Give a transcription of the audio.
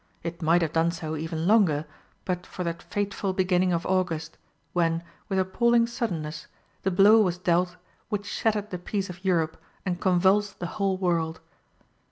It might have done so even longer, but for that fateful beginning of August, when, with appalling suddenness, the blow was dealt which shattered the peace of Europe and convulsed the whole world.